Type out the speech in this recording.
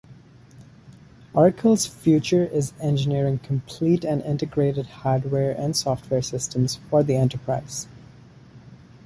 Oracle's future is engineering complete and integrated hardware and software systems for the enterprise.